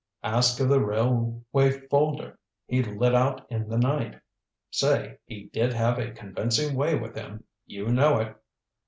"Ask of the railway folder. He lit out in the night. Say he did have a convincing way with him you know it."